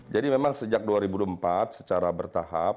jadi memang sejak dua ribu empat secara bertahap